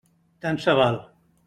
Tant se val!